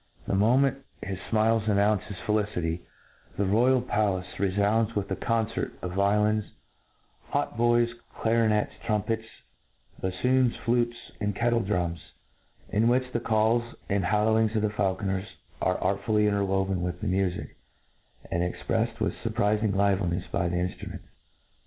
'The moment his fmilesi anqunce his felicity, the royal INTRO D U C T I O N 7^ tbyal palace refounds with a concert of violins, hautboys, clarinets, trumpets, baffoons, flutes, and kettle drums — in which the calls and hoUow ings of faulconers are artfully interwoven with the mufic, and exprefTed with fiirprifirig livelincfs by the inftruments.